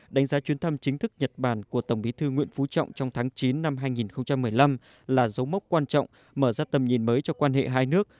đánh giá chuyến thăm chính thức nhật bản của tổng bí thư nguyễn phú trọng trong tháng chín năm hai nghìn một mươi năm là dấu mốc quan trọng mở ra tầm nhìn mới cho quan hệ hai nước